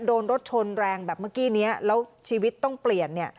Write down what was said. โดนรถชนแรงแบบเมื่อกี้นี้แล้วชีวิตต้องเปลี่ยนเนี่ย